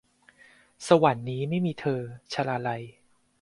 สวรรค์นี้ไม่มีเธอ - ชลาลัย